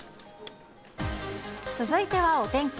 続いてはお天気。